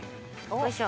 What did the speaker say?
よいしょ。